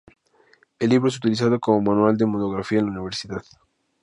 El libro es utilizado como manual de demografía en la Universidad.